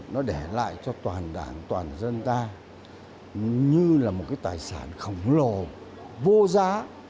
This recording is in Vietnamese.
nó để lại cho toàn đảng toàn dân ta như là một cái tài sản khổng lồ vô giá